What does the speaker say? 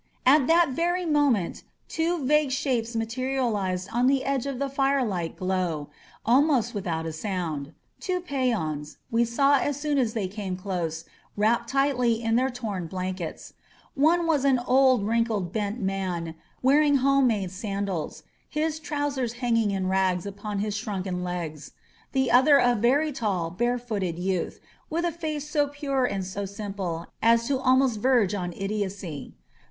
At that very moment two vague shapes materialized on the edge of the firelight glow, almost without a sound — two peons, we saw as soon as they came close, wrapped tightly in their torn blankets. One was an old, wrinkled, bent man wearing homemade sandals, his trousers hanging in rags upon his shrunken legs; the other a very tall, barefooted youth, with a face so pure and so simple as to almost verge upon idiocy.